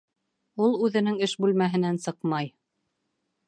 Ул үҙенең эш бүлмәһенән сыҡмай.